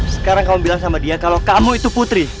sekarang kamu bilang sama dia kalau kamu itu putri